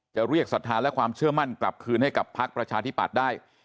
จะเรียกศรัทธาและความเชื่อมั่นกลับคืนให้กับพักประชาธิปัตย์ได้